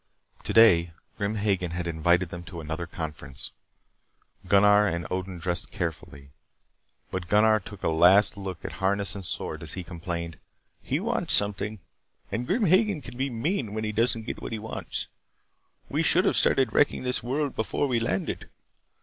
Today Grim Hagen had invited them to another conference. Gunnar and Odin dressed carefully. But Gunnar took a last look at harness and sword as he complained: "He wants something. And Grim Hagen can be mean when he doesn't get what he wants. We should have started wrecking this world before we landed.